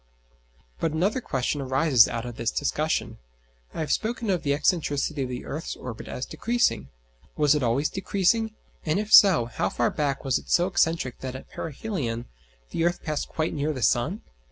But another question arises out of this discussion. I have spoken of the excentricity of the earth's orbit as decreasing. Was it always decreasing? and if so, how far back was it so excentric that at perihelion the earth passed quite near the sun?